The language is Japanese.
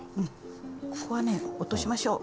ここはね落としましょう。